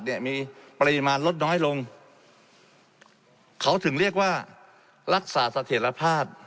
เนี่ยมีปริมาณลดน้อยลงเขาถึงเรียกว่ารักษาเสถียรภาพ